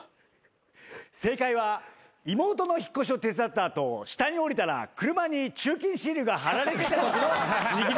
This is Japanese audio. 正解は妹の引っ越しを手伝った後下に下りたら車に駐禁シールが貼られてたときの握り拳でした。